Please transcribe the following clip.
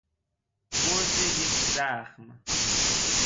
گرز یک زخم